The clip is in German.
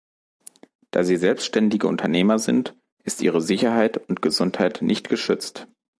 Da sie selbständige Unternehmer sind, ist ihre Sicherheit und Gesundheit nicht geschützt.